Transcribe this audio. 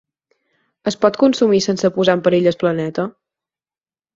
Es pot consumir sense posar en perill el planeta?